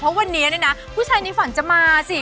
เพราะวันนี้เนี่ยนะผู้ชายในฝันจะมาสิ